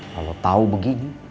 kalau tau begini